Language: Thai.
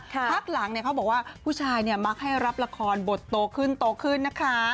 ภาคหลังเนี่ยเขาบอกว่าผู้ชายเนี่ยมักให้รับละครบทโตขึ้นนะคะ